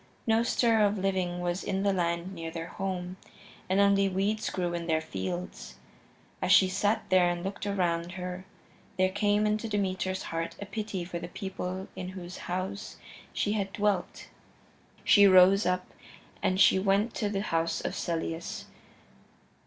No stir of living was in the land near their home, and only weeds grew in their fields. As she sat there and looked around her there came into Demeter's heart a pity for the people in whose house she had dwelt. She rose up and she went to the house of Celeus.